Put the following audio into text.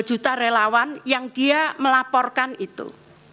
dua juta relawan yang dia melaporkan itu